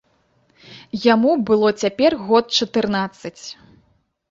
Яму было цяпер год чатырнаццаць.